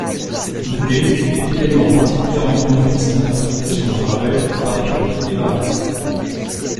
Boulez est également particulièrement connu pour ses interprétations de Ravel, Bartók et Varèse.